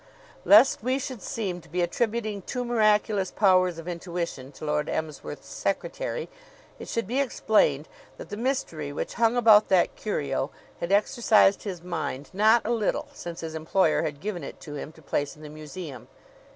Lest we should seem to be attributing too miraculous powers of intuition to Lord Emsworth's secretary, it should be explained that the mystery which hung about that curio had exercised his mind not a little since his employer had given it to him to place in the museum.